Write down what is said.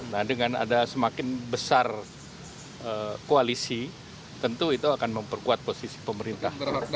nah dengan ada semakin besar koalisi tentu itu akan memperkuat posisi pemerintah